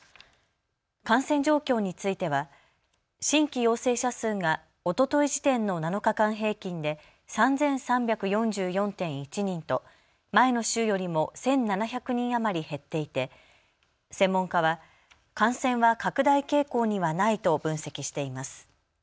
感染状況については新規陽性者数がおととい時点の７日間平均で３３４４．１人と前の週よりも１７００人余り減っていて専門家は感染は拡大傾向にはないと分析しています。